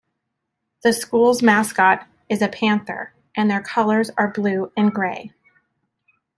The school's mascot is a panther and their colors are blue and gray.